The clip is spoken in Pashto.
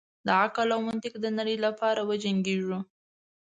د عقل او منطق د نړۍ لپاره وجنګیږو.